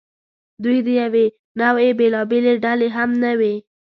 دوی د یوې نوعې بېلابېلې ډلې هم نه وې.